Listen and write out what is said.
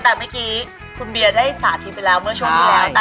แต่เมื่อกี้คุณเบียร์ได้สาธิตไปแล้วเมื่อช่วงที่แล้ว